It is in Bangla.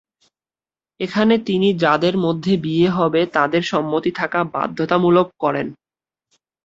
এখানে তিনি যাদের মধ্যে বিয়ে হবে তাদের সম্মতি থাকা বাধ্যতামূলক করেন।